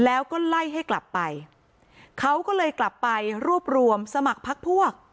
แล้วก็ไล่ให้กลับไปเขาก็เลยกลับไปรวบรวมสมัครพักพวก